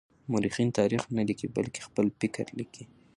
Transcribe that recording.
مورخين تاريخ نه ليکي بلکې خپل فکر ليکي.